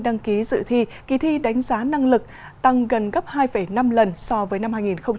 đăng ký dự thi kỳ thi đánh giá năng lực tăng gần gấp hai năm lần so với năm hai nghìn một mươi năm